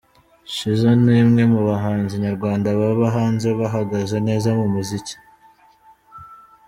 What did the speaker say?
Shizzo ni umwe mu bahanzi nyarwanda baba hanze bahagaze neza mu muziki.